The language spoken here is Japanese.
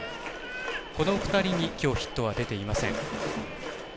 この２人にきょうヒットは出ていません。